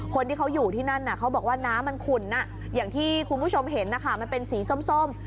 คนที่เขาอยู่ที่นั่นเขาบอกว่าน้ำมันขุ่นอย่างที่คุณผู้ชมเห็นนะคะมันเป็นสีส้ม